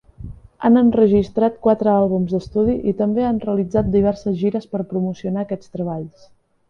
Han enregistrat quatre àlbums d'estudi i també han realitzat diverses gires per promocionar aquests treballs.